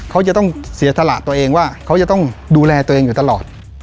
เขาจะต้องเสียสละตัวเองว่าเขาจะต้องดูแลตัวเองอยู่ตลอด